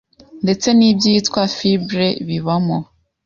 ndetse n’ibyitwa fibres bibamo